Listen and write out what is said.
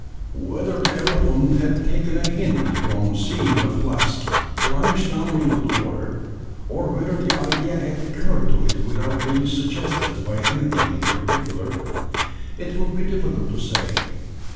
Whether the elephant had taken a hint from seeing the flask plunged down into the water, or whether the idea had occurred to it without being suggested by anything in particular, it would be difficult to say.